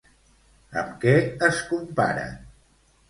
Amb què es comparen?